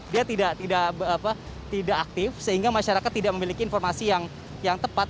dia tidak aktif sehingga masyarakat tidak memiliki informasi yang tepat